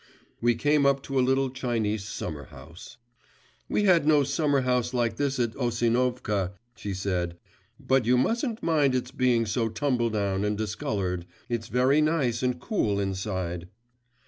We came up to a little Chinese summer house. 'We had no summer house like this at Osinovka,' she said; 'but you mustn't mind its being so tumbledown and discoloured: it's very nice and cool inside.